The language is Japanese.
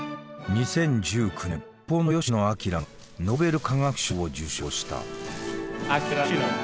２０１９年日本の吉野彰がノーベル化学賞を受賞した。